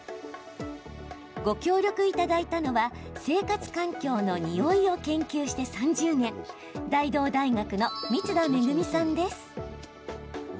ご協力いただいたのは生活環境のにおいを研究して３０年大同大学の光田恵さんです。